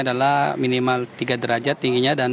adalah minimal tiga derajat tingginya dan